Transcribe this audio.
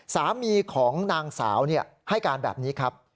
สามีของนางสาวให้การแบบนี้ครับ